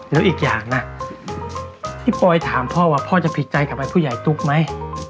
แล้วอีกอย่างนะที่ปอยถามพ่อว่าพ่อจะผิดใจกับไอ้ผู้ใหญ่ตุ๊กไหม